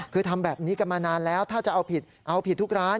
คือทำแบบนี้กันมานานแล้วถ้าจะเอาผิดเอาผิดทุกร้าน